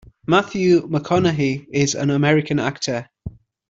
Matthew McConaughey is an American actor.